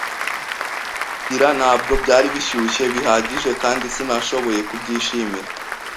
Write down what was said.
Kwiyuhagira ntabwo byari bishyushye bihagije kandi sinashoboye kubyishimira.